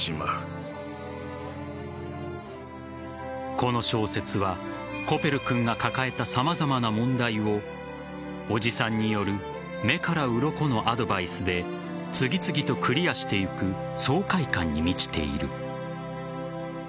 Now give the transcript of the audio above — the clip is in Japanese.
この小説はコペル君が抱えた様々な問題を叔父さんによる目からうろこのアドバイスで次々とクリアしていく爽快感に満ちている。